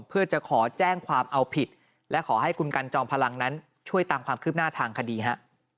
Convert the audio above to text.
เพื่อจะขอแจ้งความเอาผิดและขอให้คุณกันจอมพลังนั้นช่วยตามความคืบหน้าทางคดีฮะ